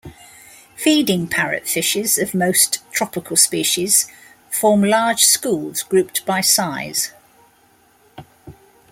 Feeding parrotfishes of most tropical species form large schools grouped by size.